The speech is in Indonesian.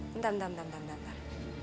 bentar bentar bentar